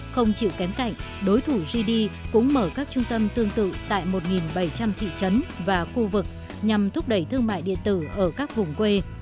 không chịu kém cạnh đối thủ gd cũng mở các trung tâm tương tự tại một bảy trăm linh thị trấn và khu vực nhằm thúc đẩy thương mại điện tử ở các vùng quê